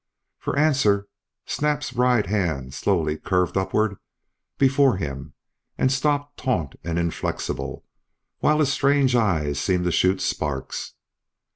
For answer Snap Naab's right hand slowly curved upward before him and stopped taut and inflexible, while his strange eyes seemed to shoot sparks.